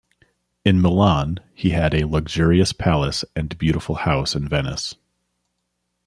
In Milan, he had a luxurious palace and beautiful house in Venice.